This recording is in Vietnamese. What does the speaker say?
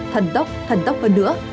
thần tốc thần tốc hơn nữa